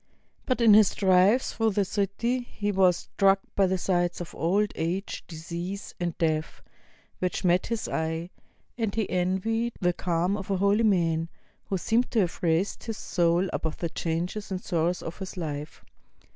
But in his drives through the city he was struck by the sights of old age, disease, and death which met his eye ; and he envied the calm of a holy man, who seemed to have raised his soul above the changes and sorrows of this life.